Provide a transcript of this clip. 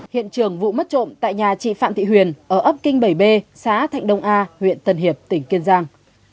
hiện trường vụ mất trộm tại nhà chị phạm thị huyền ở ấp kinh bảy b xã thạnh đông a huyện tân hiệp tỉnh kiên giang